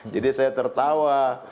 jadi saya tertawa